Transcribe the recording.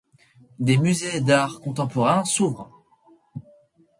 Des musés d'art contemporain s'ouvrent.